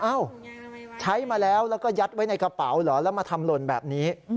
เอ้าใช้มาแล้วแล้วก็ยัดไว้ในกระเป๋าเหรอแล้วมาทำหล่นแบบนี้